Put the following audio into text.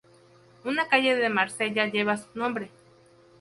Una calle de Marsella lleva su nombre.